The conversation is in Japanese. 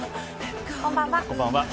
こんばんは。